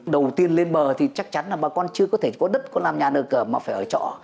đầu tiên lên bờ thì chắc chắn là bà con chưa có thể có đất có làm nhà nơi cờ mà phải ở trọ